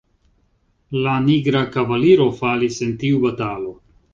La nigra kavaliro falis en tiu batalo.